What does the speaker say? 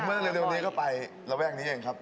อุ๊ยเล็กไประแว่งนี้ครับ